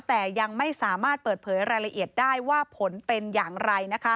แต่ยังไม่สามารถเปิดเผยรายละเอียดได้ว่าผลเป็นอย่างไร